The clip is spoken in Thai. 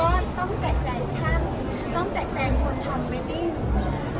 ก็ต้องแจกแจงช่างต้องแจกแจงคนทำเวดดิ้ง